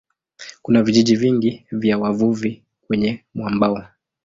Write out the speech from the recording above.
Kuna vijiji vingi vya wavuvi kwenye mwambao.